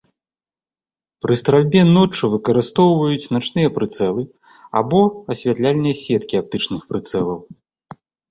Пры стральбе ноччу выкарыстоўваюць начныя прыцэлы або асвятляльныя сеткі аптычных прыцэлаў.